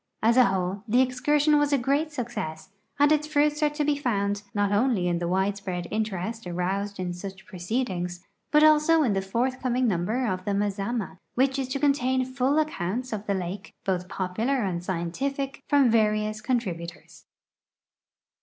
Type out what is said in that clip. As a whole the excursion was a great success, and its fruits are to l)e found, not only in the widespread interest aroused in such proccecl ings, but also in the forthcoming number of the Mazama, which is to contain full accounts of the lake, both popular and scientific, from various contributors. J. S.